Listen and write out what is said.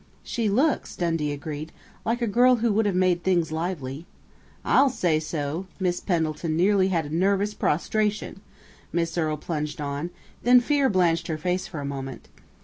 "She looks," Dundee agreed, "like a girl who would have made things lively." "I'll say so! Miss Pendleton nearly had nervous prostration!" Miss Earle plunged on, then fear blanched her face for a moment.